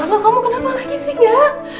ya allah kamu kenapa lagi sih nggak